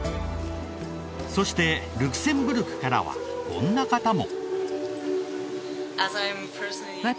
そしてルクセンブルクからはこんな方も。